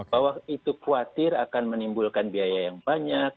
bahwa itu khawatir akan menimbulkan biaya yang banyak